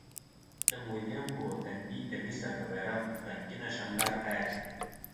د موزیم په تندي د مصر د بیرغ رنګینه شمله ښکاري.